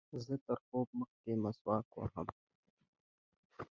زه تر خوب مخکښي مسواک وهم.